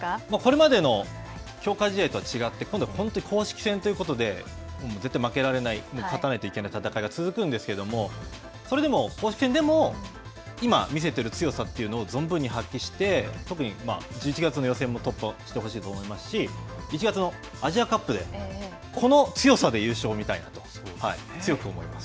これまでの強化試合とは違って、今度は本当に公式戦ということで、絶対負けられない、勝たないといけない戦いが続くんですけど、それでも、公式戦でも、今見せている強さというのを、存分に発揮して、特に１１月の予選も突破してほしいと思いますし、１月のアジアカップで、この強さで優勝を見たいなと強く思います。